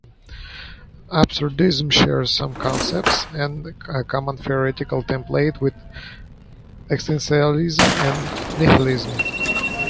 Absurdism shares some concepts, and a common theoretical template, with existentialism and nihilism.